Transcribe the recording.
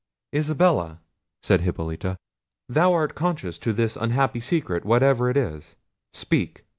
"Isabella," said Hippolita, "thou art conscious to this unhappy secret, whatever it is. Speak!"